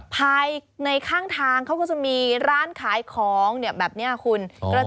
ภายในข้างทางเขาก็จะมีร้านขายของแบบนี้คุณ